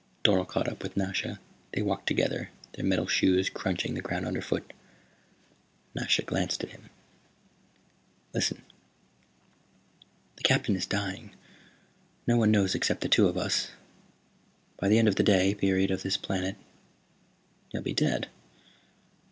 Dorle caught up with Nasha. They walked together, their metal shoes crunching the ground underfoot. Nasha glanced at him. "Listen. The Captain is dying. No one knows except the two of us. By the end of the day period of this planet he'll be dead.